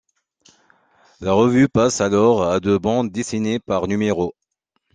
La revue passe alors à deux bandes dessinées par numéro.